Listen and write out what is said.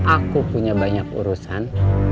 aku punya banyak urusan